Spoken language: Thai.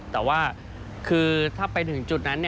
แต่ว่าคือถ้าไปถึงจุดนั้น